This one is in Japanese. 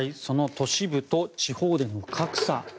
都市部と地方での格差